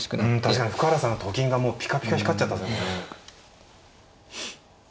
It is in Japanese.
確かに深浦さんのと金がもうピカピカ光っちゃったですね。